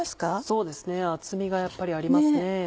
そうですね厚みがやっぱりありますね。